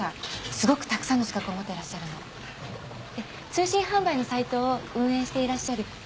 すごくたくさんの資格を持ってらっしゃるので通信販売のサイトを運営していらっしゃる堂本さん